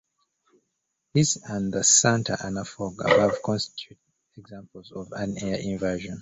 This and the "Santa Ana fog" above constitute examples of an air inversion.